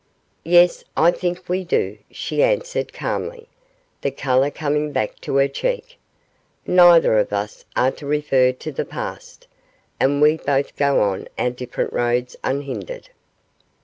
'Yes, I think we do,' she answered, calmly, the colour coming back to her cheek. 'Neither of us are to refer to the past, and we both go on our different roads unhindered.